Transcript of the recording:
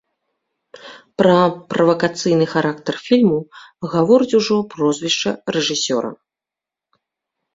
Пра правакацыйны характар фільму гаворыць ужо прозвішча рэжысёра.